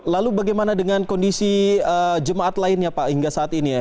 lalu bagaimana dengan kondisi jemaat lainnya pak hingga saat ini ya